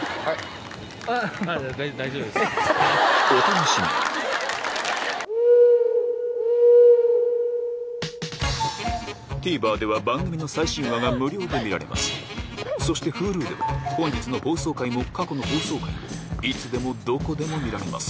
お楽しみにＴＶｅｒでは番組の最新話が無料で見られますそしてＨｕｌｕでは本日の放送回も過去の放送回もいつでもどこでも見られます